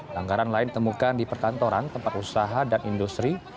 langgaran lain ditemukan di perkantoran tempat usaha dan industri